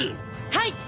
はい。